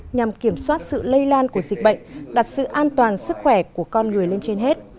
nhằm kiểm soát sự lây lan của dịch bệnh đặt sự an toàn sức khỏe của con người lên trên hết